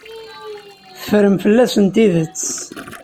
Teffrem fell-asen tidet.